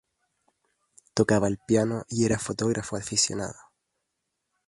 Tocaba el piano y era fotógrafo aficionado.